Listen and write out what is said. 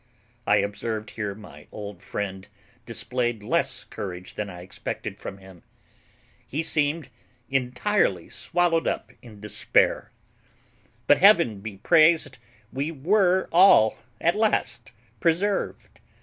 I observed here my old friend displayed less courage than I expected from him. He seemed entirely swallowed up in despair. But Heaven be praised! we were all at last preserved.